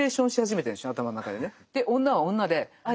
で女は女であ